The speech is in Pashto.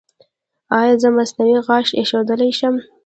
ایا زه مصنوعي غاښ ایښودلی شم؟